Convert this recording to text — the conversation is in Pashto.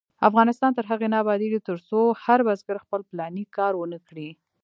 افغانستان تر هغو نه ابادیږي، ترڅو هر بزګر خپل پلاني کار ونکړي.